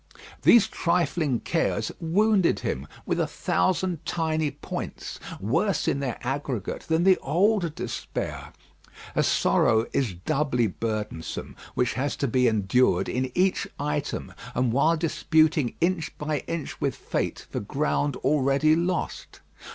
These trifling cares wounded him with a thousand tiny points, worse in their aggregate than the old despair. A sorrow is doubly burdensome which has to be endured in each item, and while disputing inch by inch with fate for ground already lost.